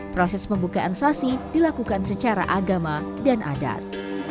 proses pembukaan sasi dilakukan secara agama dan adat